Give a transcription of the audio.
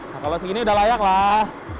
nah kalau segini udah layak lah